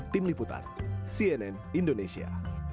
tim liputan cnn indonesia